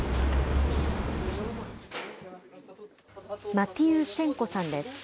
マティウシェンコさんです。